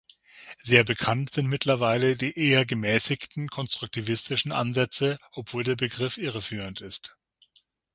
Sehr bekannt sind mittlerweile die eher gemäßigten konstruktivistischen Ansätze, obwohl der Begriff irreführend ist.